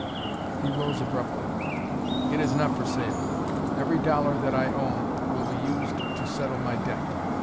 He rose abruptly. "It is not for sale. Every dollar that I own will be used to settle my debt.